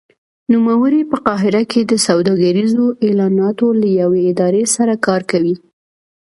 نوموړی په قاهره کې د سوداګریزو اعلاناتو له یوې ادارې سره کار کوي.